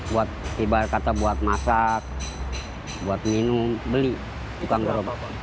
buat ibarat kata buat masak buat minum beli tukang gerobak